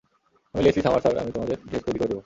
আমি Leslie Summers আর আমি তোমাদের ড্রেস তৈরি করে দেবো।